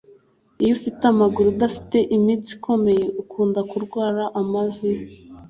iyo ufite amaguru adafite imitsi ikomeye ukunda kurwara amavi